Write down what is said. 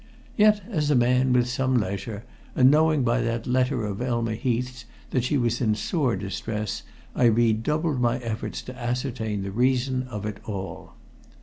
Yet as a man with some leisure, and knowing by that letter of Elma Heath's that she was in sore distress, I redoubled my efforts to ascertain the reason of it all.